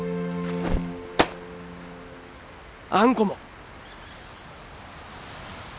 あんこも。